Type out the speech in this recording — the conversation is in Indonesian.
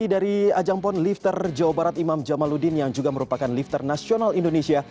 dari ajang pon lifter jawa barat imam jamaludin yang juga merupakan lifter nasional indonesia